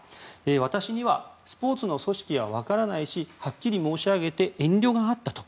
私にはスポーツの組織は分からないしはっきり申し上げて遠慮があったと。